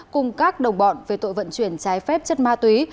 cùng các đồng bọn về tội vận chuyển trái phép chất ma túy